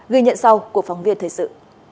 ghi nhận sau của phóng viên thời sự